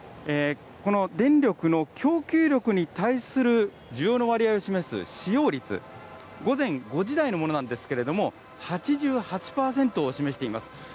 この電力の供給力に対する需要の割合を示す使用率、午前５時台のものなんですけれども、８８％を示しています。